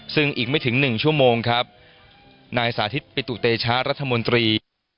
ซึ่งอีกไม่ถึง๑ชั่วโมงครับนายสาธิตปิตุเตชะรัฐมนตรี